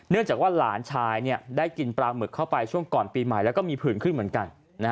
จากว่าหลานชายได้กินปลาหมึกเข้าไปช่วงก่อนปีใหม่แล้วก็มีผื่นขึ้นเหมือนกัน